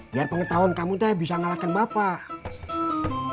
biar pengetahuan kamu tuh bisa ngalahkan bapak